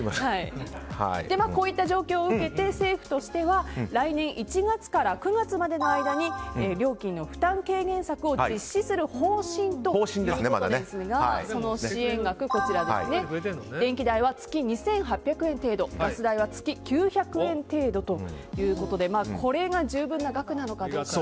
こういった状況を受けて政府としては来年１月から９月までの間に料金の負担軽減策を実施する方針ということですがその支援額が電気代は月２８００円程度ガス代は月９００円程度ということでこれが十分な額なのかどうか。